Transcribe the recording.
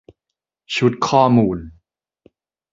ชุดข้อมูล